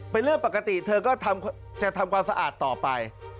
เป็นเรื่องปกติเธอก็จะทำความสะอาดต่อไป